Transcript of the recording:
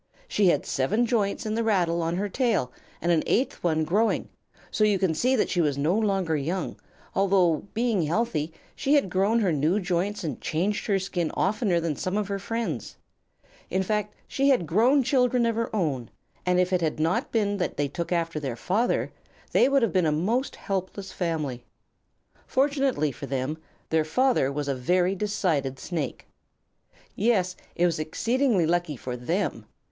She had seven joints in the rattle on her tail and an eighth one growing, so you can see that she was no longer young, although, being healthy, she had grown her new joints and changed her skin oftener than some of her friends. In fact, she had grown children of her own, and if it had not been that they took after their father, they would have been a most helpless family. Fortunately for them, their father was a very decided Snake. Yes, it was exceedingly lucky for them.